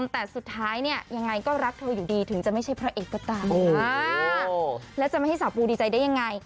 แต่สุดท้ายเนี่ยยังไงก็รักเธออยู่ดีถึงจะไม่ใช่พระเอกก็ตามแล้วจะไม่ให้สาวปูดีใจได้ยังไง